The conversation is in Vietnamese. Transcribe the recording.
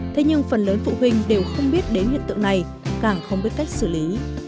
thế nhưng phần lớn phụ huynh đều không biết đến hiện tượng này càng không biết cách xử lý